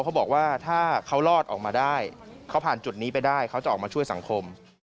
เขาบอกว่าถ้าเขารอดออกมาได้เขาผ่านจุดนี้ไปได้เขาจะออกมาช่วยสังคม